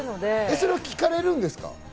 それは聞かれるんですか？